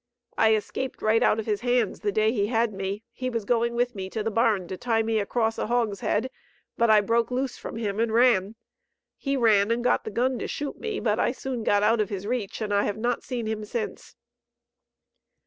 I escaped right out of his hands the day he had me; he was going with me to the barn to tie me across a hogshead, but I broke loose from him and ran. He ran and got the gun to shoot me, but I soon got out of his reach, and I have not seen him since."